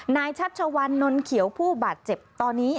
ชัชวัลนนเขียวผู้บาดเจ็บตอนนี้